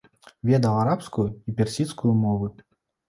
Ведаў арабскую і персідскую мовы.